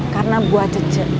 karena buat cece